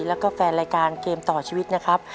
แล้วก็แฟนรายการเกมต่อชีวิตนะครับ